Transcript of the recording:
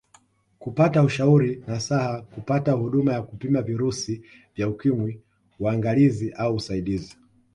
Kupata ushauri nasaha kupata huduma ya kupima virusi vya Ukimwi uangalizi au usaidizi